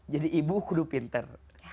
jadi ibu kudu pintar